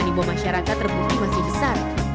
aniboh masyarakat terbukti masih besar